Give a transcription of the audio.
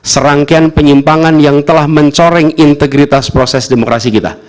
serangkaian penyimpangan yang telah mencoreng integritas proses demokrasi kita